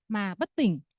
mà bất tỉnh